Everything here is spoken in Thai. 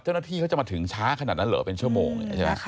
เจ้าหน้าที่เขาจะมาถึงช้าขนาดนั้นเหลือเป็นชั่วโมง